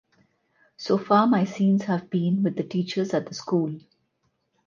So far my scenes have been with the teachers at the school.